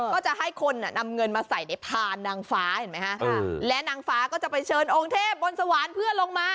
ก็จะให้คนนำเงินมาใส่ในพานนางฟ้าเห็นไหมฮะและนางฟ้าก็จะไปเชิญองค์เทพบนสวรรค์เพื่อลงมา